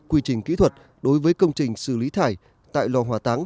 quy trình kỹ thuật đối với công trình xử lý thải tại lò hòa táng